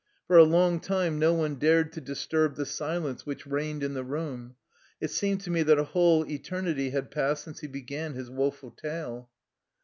For a long time no one dared to dis turb the silence which reigned in the room. It seemed to me that a whole eternity had passed since he began his woeful tale.